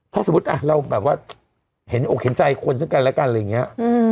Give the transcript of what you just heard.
ถ้าสมมุติเราแบบว่าเห็นอกเห็นใจคนซึ่งกันแล้วกันอะไรอย่างนี้